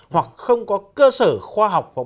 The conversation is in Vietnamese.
hoặc không có cơ sở khoa học hoặc